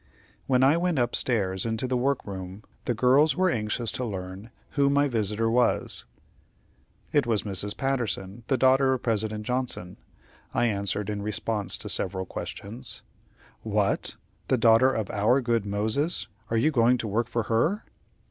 When I went up stairs into the work room, the girls were anxious to learn who my visitor was. "It was Mrs. Patterson, the daughter of President Johnson," I answered, in response to several questions. "What! the daughter of our good Moses. Are you going to work for her?"